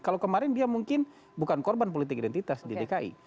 kalau kemarin dia mungkin bukan korban politik identitas di dki